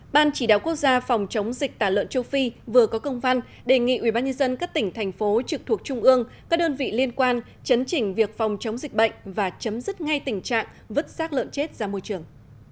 ban chỉ đạo quốc gia phòng chống dịch tả lợn châu phi vừa có công văn đề nghị ubnd các tỉnh thành phố trực thuộc trung ương các đơn vị liên quan chấn chỉnh việc phòng chống dịch bệnh và chấm dứt ngay tình trạng vứt sát lợn chết ra môi trường